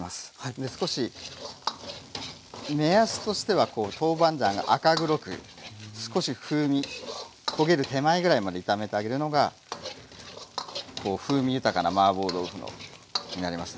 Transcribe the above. で少し目安としてはこうトーバンジャンが赤黒く少し風味焦げる手前ぐらいまで炒めてあげるのが風味豊かなマーボー豆腐になりますね。